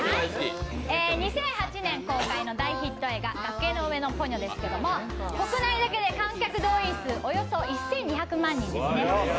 ２００８年公開の大ヒット映画「崖の上のポニョ」ですけど国内だけで観客動員数およそ１２００万人ですね。